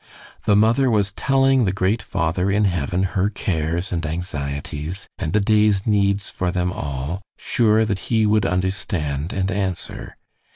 The mother was telling the great Father in heaven her cares and anxieties, and the day's needs for them all, sure that he would understand and answer.